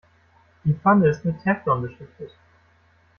Die Pfanne ist mit Teflon beschichtet.